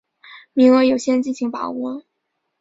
名额有限，敬请把握